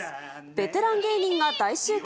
ベテラン芸人が大集結。